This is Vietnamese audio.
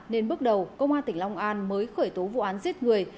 nên bước đầu công an tỉnh long an mới khởi tố vụ án giết người